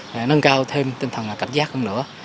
để nâng cao thêm tinh thần cảnh giác hơn nữa